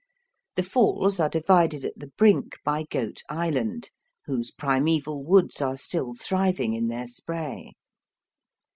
The Falls are divided at the brink by Goat Island, whose primeval woods are still thriving in their spray.